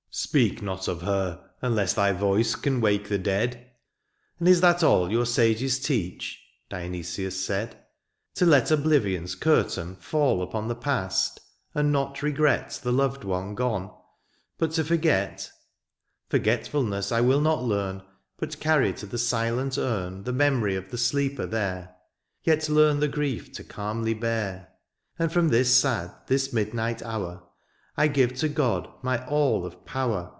^^ Speak not of her, unless thy voice ^^ Can wake the dead." ^^And is that all ^^ Your sages teach ?" Dionysius said —^^ To let oblivion's curtain fall ^^ Upon the past, and not regret ^^ The loved one gone, but to forget. ^^ Forgetfulness I will not learn, ^^ But carry to the silent urn ^^ The memory of the sleeper there, ^^ Yet learn the grief to calmly bear ;^^ And from this sad, this midnight hour, I give to God my aU of power.